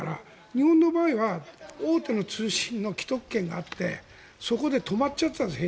日本の場合は大手の通信の既得権があってそこで止まっちゃっていたんです。